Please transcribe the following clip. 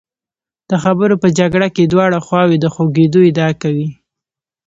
د خبرو په جګړه کې دواړه خواوې د خوږېدو ادعا کوي.